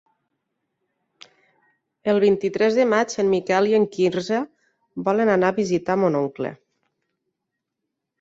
El vint-i-tres de maig en Miquel i en Quirze volen anar a visitar mon oncle.